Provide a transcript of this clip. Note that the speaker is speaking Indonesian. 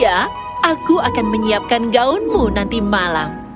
ya aku akan menyiapkan gaunmu nanti malam